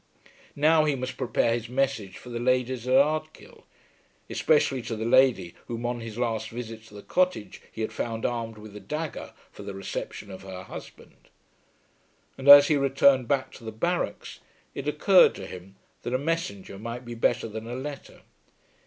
Now he must prepare his message for the ladies at Ardkill, especially to the lady whom on his last visit to the cottage he had found armed with a dagger for the reception of her husband. And as he returned back to the barracks it occurred to him that a messenger might be better than a letter.